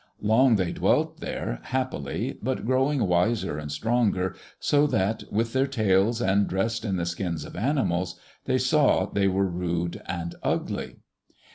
Long they dwelt there, happily, but growing wiser and stronger, so that, with their tails and dressed in the skins of animals, they saw they were rude and ugly.